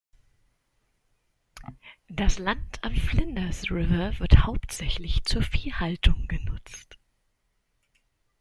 Das Land am Flinders River wird hauptsächlich zur Viehhaltung genutzt.